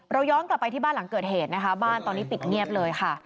ย้อนกลับไปที่บ้านหลังเกิดเหตุนะคะบ้านตอนนี้ปิดเงียบเลยค่ะ